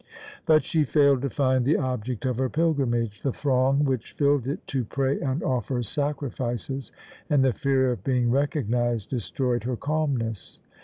But she failed to find the object of her pilgrimage. The throng which filled it to pray and offer sacrifices, and the fear of being recognized, destroyed her calmness.